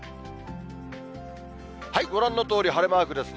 ご覧のとおり、晴れマークですね。